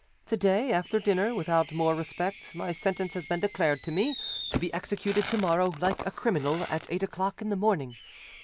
To day, after dinner, without more respect, my sentence has been declared to me, to be executed to morrow, like a criminal, at eight o'clock in the morning.